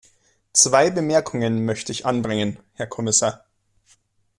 Zwei Bemerkungen möchte ich anbringen, Herr Kommissar.